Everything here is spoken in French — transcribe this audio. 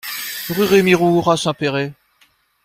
Rue Rémy Roure à Saint-Péray